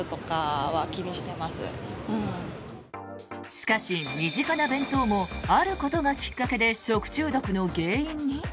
しかし身近な弁当もあることがきっかけで食中毒の原因に？